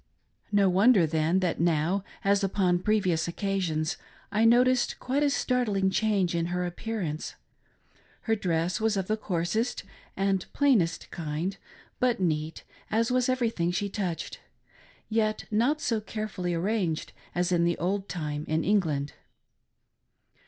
No wonder then, that now, as upon pre vious occasions, I noticed quite a startling change in her appearance. Her dress was of the coarsest and plainest kind, but neat, as was everything she touched, — yet not so carefully arranged as in the old time in England.